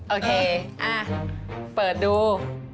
โอเคเปิดดู